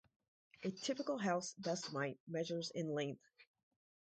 A typical house dust mite measures in length.